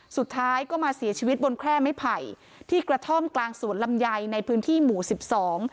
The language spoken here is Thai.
สุดท้ายก็มาเสียชีวิตบนแคร่ไม้ไผ่ที่กระท่อมกลางสวนลำไยในพื้นที่หมู่สิบสอง